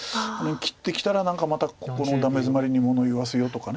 切ってきたら何かまたここのダメヅマリに物言わせようとか。